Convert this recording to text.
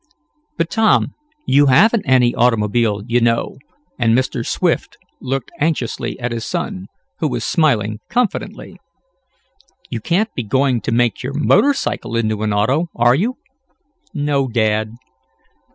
"But, Tom, you haven't any automobile, you know," and Mr. Swift looked anxiously at his son, who was smiling confidently. "You can't be going to make your motor cycle into an auto; are you?" "No, dad."